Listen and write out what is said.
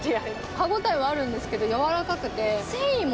歯応えはあるんですけど軟らかくて。